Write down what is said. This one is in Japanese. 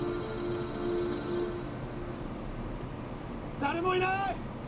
誰もいない！